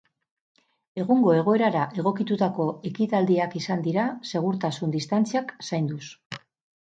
Egungo egoerara egokitutako ekitaldiak izan dira, segurtasun distantziak zainduz.